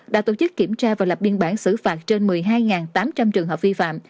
đã tổ chức kiểm tra và lập biên bản xử phạt trên một mươi hai tám trăm linh trường hợp vi phạm